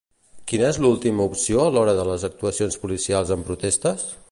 Quina és l'última opció a l'hora de les actuacions policials en protestes?